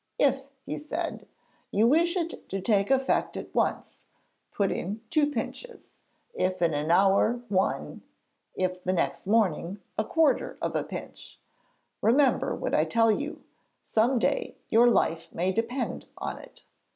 'If,' he said, 'you wish it to take effect at once, put in two pinches. If in an hour, one; if the next morning, a quarter of a pinch. Remember what I tell you; some day your life may depend on it.'